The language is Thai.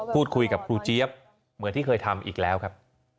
พูดคุยกับครูเจี๊ยบเหมือนที่เคยทำอีกแล้วครับ